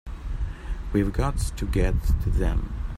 We've got to get to them!